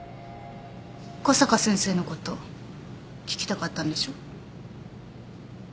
小坂先生のこと聞きたかったんでしょ？